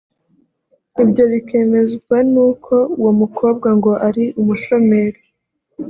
ibyo bikemezwa nuko uwo mukobwa ngo ari umushomeri